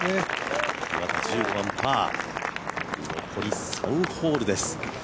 岩田１５番パー、残り３ホールです。